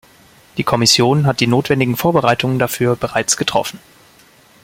Die Kommission hat die notwendigen Vorbereitungen dafür bereits getroffen.